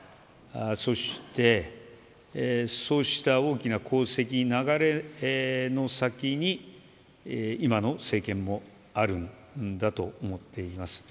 そしてそうした大きな功績流れの先に今の政権もあるんだと思っています。